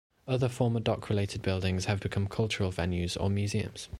Other former dock related buildings have become cultural venues or museums.